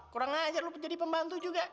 kurang aja luput jadi pembantu juga